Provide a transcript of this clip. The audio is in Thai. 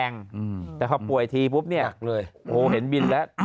ไม่มี